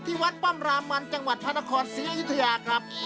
วัดป้อมรามันจังหวัดพระนครศรีอยุธยาครับ